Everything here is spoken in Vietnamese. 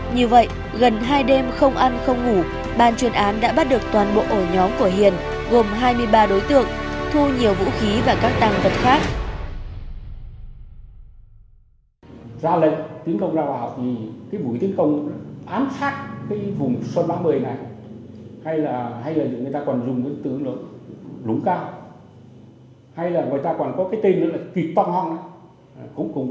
như vậy gần hai đêm không ăn không ngủ ban chuyên án đã bắt được toàn bộ ổ nhóm của hiền gồm hai mươi ba đối tượng thu nhiều vũ khí và các tăng vật khác